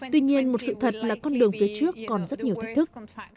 tuy nhiên một sự thật là con đường phía trước còn rất nhiều thách thức